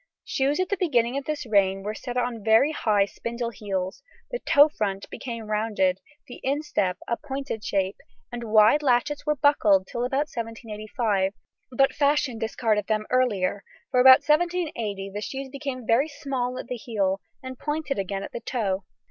] Shoes at the beginning of this reign were set on very high spindle heels; the toe front became rounded, the instep front a pointed shape, and wide latchets were buckled till about 1785, but fashion discarded them earlier; for about 1780 the shoes became very small at the heel, and pointed again at the toe.